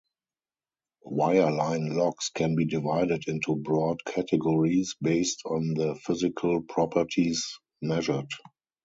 Wireline logs can be divided into broad categories based on the physical properties measured.